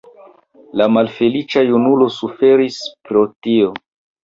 La malfeliĉa junulo suferis pro tio.